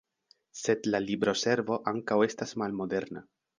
Sed la libroservo ankaŭ estas malmoderna.